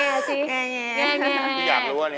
อยากรู้อันนี้